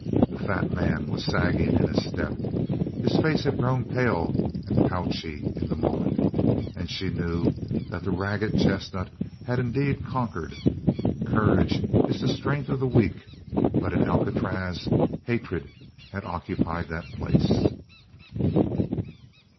The fat man was sagging in his step. His face had grown pale and pouchy in the moment. And she knew that the ragged chestnut had indeed conquered. Courage is the strength of the weak but in Alcatraz hatred had occupied that place.